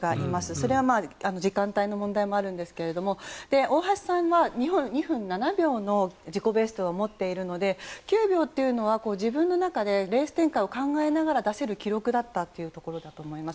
それは時間帯の問題もあるんですけど大橋さんは２分７秒の自己ベストを持っているので９秒というのは自分の中でレース展開を考えながら出せる記録だったというところだと思います。